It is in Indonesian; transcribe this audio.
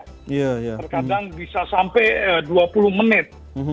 terkadang bisa sampai dua puluh menit